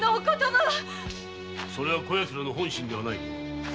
それはこやつらの本心ではない。